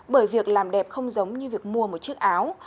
bởi việc làm đẹp không giống như việc mua một chiếc áo